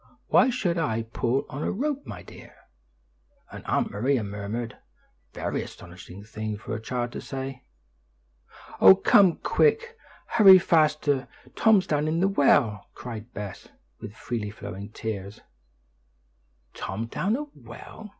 "Why should I pull on a rope, my dear?" and Aunt Maria murmured, "Very astonishing thing for a child to say." "Oh, come quick! Hurry faster! Tom's down in the well!" cried Bess, with freely flowing tears. "Tom down a well!